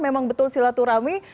memang betul silaturahmi